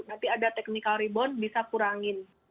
nanti ada technical rebound bisa kurangin